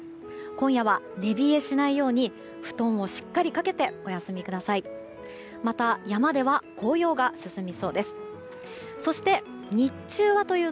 今夜は寝冷えしないように布団をしっかりかけてお休みください。